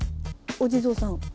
お地蔵さん。